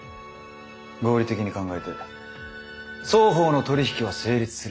合理的に考えて双方の取り引きは成立する。